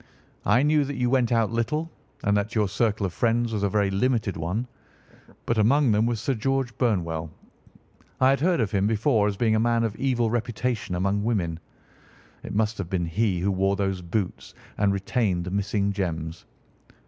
I knew that you went out little, and that your circle of friends was a very limited one. But among them was Sir George Burnwell. I had heard of him before as being a man of evil reputation among women. It must have been he who wore those boots and retained the missing gems.